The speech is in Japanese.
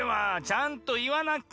ちゃんといわなきゃ。